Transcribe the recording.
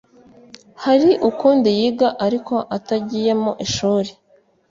Hari ukundi yiga ariko atagiye mu ishuri